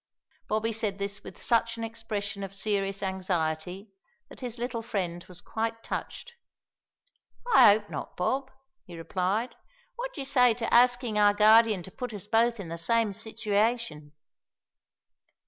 Bobby said this with such an expression of serious anxiety that his little friend was quite touched. "I hope not, Bob," he replied. "What d'ee say to axin' our Guardian to put us both into the same sitivation?"